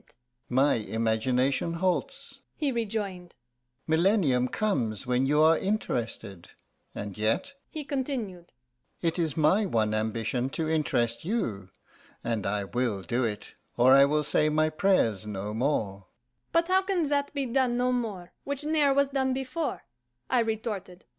"My imagination halts," he rejoined. "Millennium comes when you are interested. And yet," he continued, "it is my one ambition to interest you, and I will do it, or I will say my prayers no more." "But how can that be done no more, Which ne'er was done before?"